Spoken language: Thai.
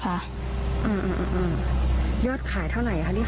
ความปลอดภัยของนายอภิรักษ์และครอบครัวด้วยซ้ำ